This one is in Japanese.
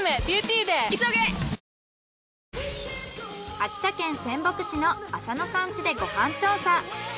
秋田県仙北市の浅野さん家でご飯調査。